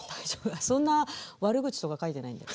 そんな悪口とか書いてないんで。